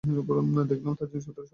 দেখলাম তার জিনিসপত্র সবই ঠিক আছে।